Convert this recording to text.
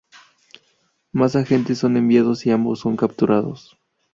Más agentes son enviados, y ambos son capturados.